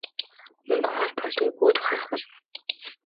Мөнгө хоол болдоггүйг бүгд ухаарах болно.